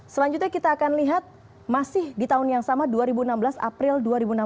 selanjutnya kita akan lihat masih di tahun yang sama dua ribu enam belas april dua ribu enam belas